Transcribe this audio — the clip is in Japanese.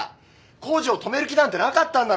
工事を止める気なんてなかったんだろ！？